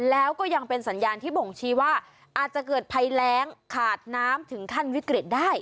แล้วก็ยังเป็นสัญญาณที่บ่งชี้ว่าอาจจะเกิดภัยแรงขาดน้ำถึงขั้นวิกฤตได้